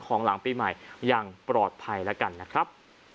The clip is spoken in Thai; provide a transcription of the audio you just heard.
หลังปีใหม่อย่างปลอดภัยแล้วกันนะครับ